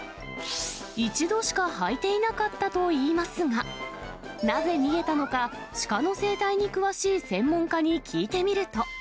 一度しか履いていなかったといいますが、なぜ逃げたのか、シカの生態に詳しい専門家に聞いてみると。